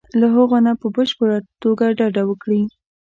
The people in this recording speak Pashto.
له هغو نه په بشپړه توګه ډډه وکړي.